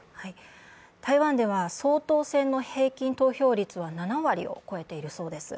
台湾では総統選の平均投票率は７割を超えているそうです。